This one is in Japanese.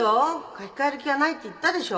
書き換える気はないって言ったでしょ。